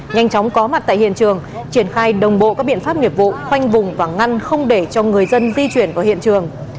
nhanh chóng có mặt tại hiện trường triển khai đồng bộ các biện pháp nghiệp vụ khoanh vùng và ngăn không để cho người dân di chuyển khỏi hiện trường